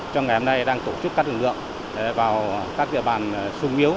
trong ngày hôm nay đang tổ chức các lực lượng vào các địa bàn sung yếu